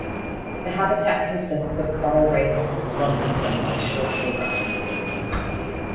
The habitat consists of coral reefs and swaths of offshore seagrass.